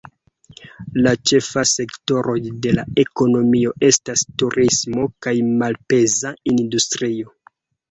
La ĉefaj sektoroj de la ekonomio estas turismo kaj malpeza industrio.